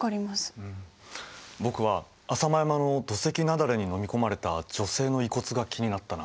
僕は浅間山の土石なだれにのみ込まれた女性の遺骨が気になったな。